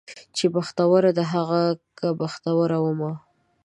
چې بختوره ده هغه که بختوره ومه